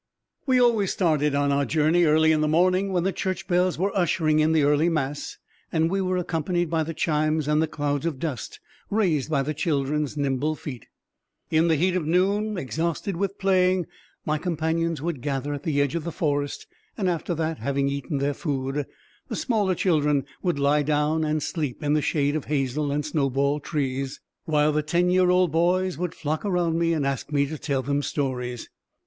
We always started on our journey early in the morning when the church bells were ushering in the early mass, and we were accompanied by the chimes and the clouds of dust raised by the children's nimble feet. In the heat of noon, exhausted with playing, my companions would gather at the edge of the forest, and after that, having eaten their food, the smaller children would lie down and sleep in the shade of hazel and snow ball trees, while the ten year old boys would flock around me and ask me to tell them stories.